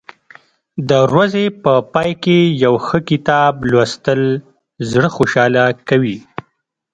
د ورځې په پای کې یو ښه کتاب لوستل زړه خوشحاله کوي.